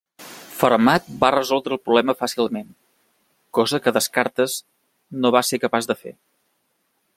Fermat va resoldre el problema fàcilment, cosa que Descartes no va ser capaç de fer.